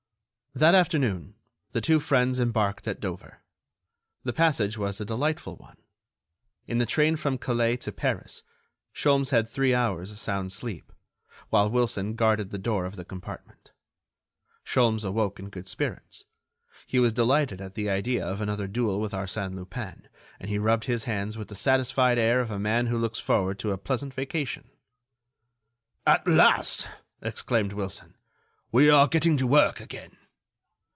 That afternoon, the two friends embarked at Dover. The passage was a delightful one. In the train from Calais to Paris, Sholmes had three hours sound sleep, while Wilson guarded the door of the compartment. Sholmes awoke in good spirits. He was delighted at the idea of another duel with Arsène Lupin, and he rubbed his hands with the satisfied air of a man who looks forward to a pleasant vacation. "At last!" exclaimed Wilson, "we are getting to work again."